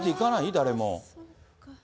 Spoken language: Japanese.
誰も。